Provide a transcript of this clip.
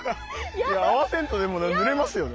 いや合わせんとでもぬれますよね。